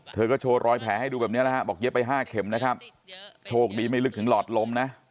เธอก็โชว์รอยแผลให้ดูแบบนี้นะฮะบอกเย็บไปห้าเข็มนะครับโชคดีไม่ลึกถึงหลอดลมนะ